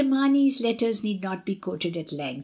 Mamey's letters need not be quoted at length.